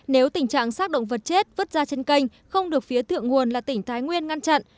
nếu tình trạng sác động vật chết vứt ra trên kênh không được phía thượng nguồn là tỉnh thái nguyên ngăn chặn